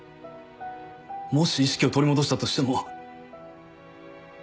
もし意識を取り戻したとしても。